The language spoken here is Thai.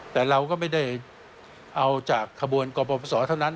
แต่เราก็ไม่ได้เอาจากขบวนกรปศเท่านั้น